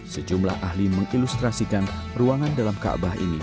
sejumlah ahli mengilustrasikan ruangan dalam kaabah ini